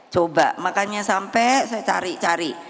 coba makanya sampai saya cari cari